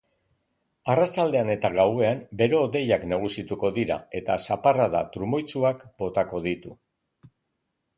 Arratsaldean eta gauean bero-hodeiak nagusituko dira, eta zaparrada trumoitsuak botako ditu.